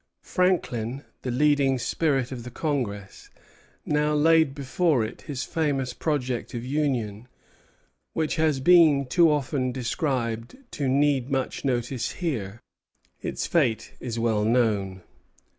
Franklin, the leading spirit of the congress, now laid before it his famous project of union, which has been too often described to need much notice here. Its fate is well known.